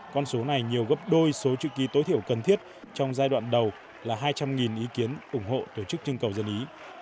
con số này nhiều gấp đôi số chữ ký tối thiểu cần thiết trong giai đoạn đầu là hai trăm linh ý kiến ủng hộ tổ chức chương cầu dân ý